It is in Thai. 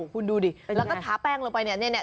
คุณดูดิแล้วก็ทาแป้งลงไปเนี่ยเนี่ยเนี่ย